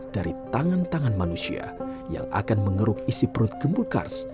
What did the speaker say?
dari tangan tangan manusia yang akan mengeruk isi perut gembul kars